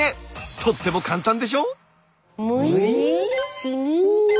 とっても簡単でしょ？